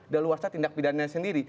dalawarsa tindak pidana sendiri